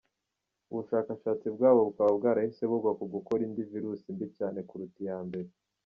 Ubushakashatsi bwabo bukaba bwarahise bugwa ku gukora indi virusi mbi cyane kuruta iya mbere.